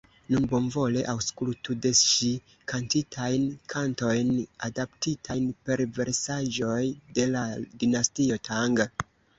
Nun bonvole aŭskultu de ŝi kantitajn kantojn adaptitajn per versaĵoj de la dinastio Tang.